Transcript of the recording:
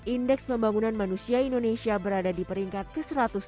indeks pembangunan manusia indonesia berada di peringkat ke satu ratus tujuh puluh